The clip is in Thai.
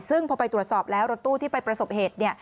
ซึ่งพอไปตรวจสอบแล้วรถตู้ที่ไปประสบเหตุเนี่ย